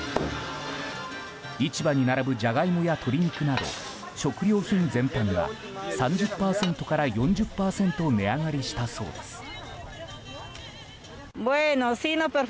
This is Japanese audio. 市場に並ぶジャガイモや鶏肉など食料品全般が３０％から４０％値上がりしたそうです。